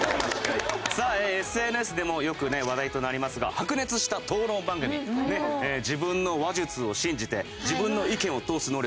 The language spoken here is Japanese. さあＳＮＳでもよく話題となりますが白熱した討論番組自分の話術を信じて自分の意見を通す能力がね